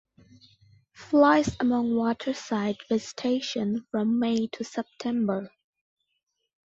Flies among waterside vegetation from May to September.